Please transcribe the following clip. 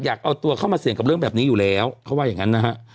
อยากเอาตัวเข้ามาเสี่ยงกับเรื่องแบบนี้อยู่แล้วเขาว่าอย่างนั้นนะฮะ